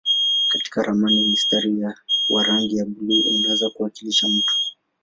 Katika ramani mstari wa rangi ya buluu unaweza kuwakilisha mto.